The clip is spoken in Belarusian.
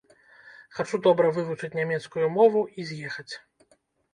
Хачу добра вывучыць нямецкую мову і з'ехаць.